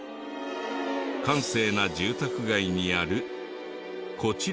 閑静な住宅街にあるこちらのアパート。